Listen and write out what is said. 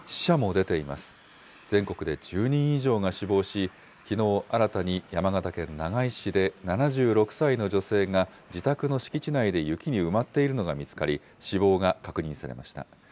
全国で１０人以上が死亡し、きのう新たに山形県長井市で７６歳の女性が自宅の敷地内で雪に埋まっているのが見つかり、死亡が確認されました。